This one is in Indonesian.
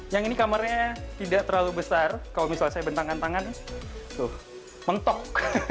yang ini kamarnya tidak terlalu besar kalau misalnya saya bentangan tangan tuh mentok